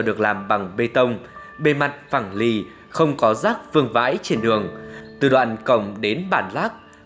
được làm bằng gỗ tự nhiên không gian khoáng đạt